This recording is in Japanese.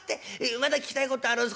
まだ聞きたいことあるんす。